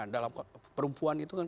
dalam perempuan itu kan